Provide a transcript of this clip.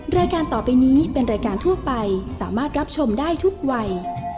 รายการต่อไปนี้เป็นรายการทั่วไปสามารถรับชมได้ทุกวัย